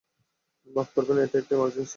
মাফ করবেন, এটা একটা এমারজেন্সি।